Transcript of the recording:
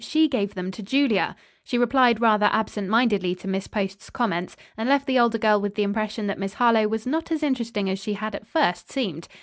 She gave them to Julia." She replied rather absent mindedly to Miss Post's comments, and left the older girl with the impression that Miss Harlowe was not as interesting as she had at first seemed.